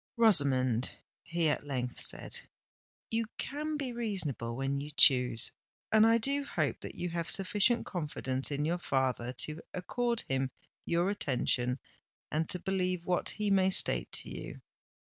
"Rosamond," he at length said, "you can be reasonable when you choose—and I do hope that you have sufficient confidence in your father to accord him your attention and to believe what he may state to you.